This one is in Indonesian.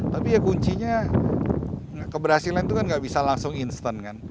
tapi ya kuncinya keberhasilan itu kan gak bisa langsung instan kan